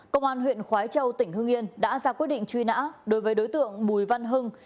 công an huyện khói châu tỉnh hưng yên đã ra quyết định truy nã đối với đối tượng bùi văn hưng